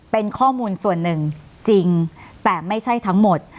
เป็นข้อมูลส่วนหนึ่งจริงแต่ไม่ใช่ทั้งหมด